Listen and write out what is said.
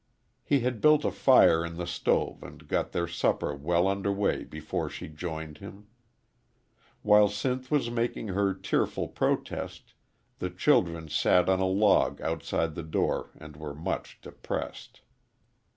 He had built a fire in the stove and got their supper well under way before she joined him. While Sinth was making her tearful protest, the children sat on a log outside the door and were much depressed.